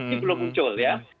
ini belum muncul ya